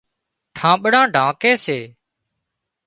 ڍانٻڙان ڍانڪي سي